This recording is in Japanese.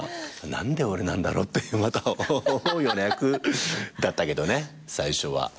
何で俺なんだろうって思うような役だったけどね最初は正直。